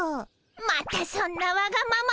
またそんなわがままを。